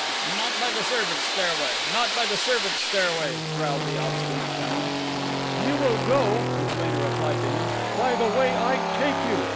"Not by the servants' stairway, not by the servants' stairway," growled the obstinate general. "You will go," Matrena replied to him, "by the way I take you."